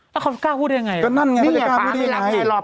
แล้วเขากล้าพูดยังไงก็นั่นไงเขากล้าพูดยังไงนี่ไงป๊าไม่รักไงหรอ